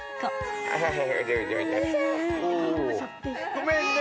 ごめんね。